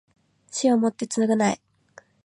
死をもって償え